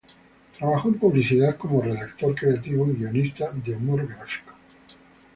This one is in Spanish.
Trabajó en publicidad como redactor creativo y guionista de humor gráfico.